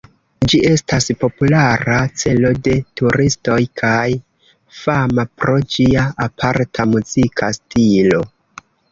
Ĝi estas populara celo de turistoj, kaj fama pro ĝia aparta muzika stilo.